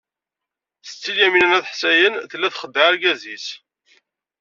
Setti Lyamina n At Ḥsayen tella txeddeɛ argaz-nnes.